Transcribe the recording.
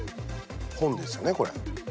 本ですよねこれ。